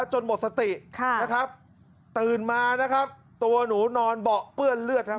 หมดสติค่ะนะครับตื่นมานะครับตัวหนูนอนเบาะเปื้อนเลือดครับ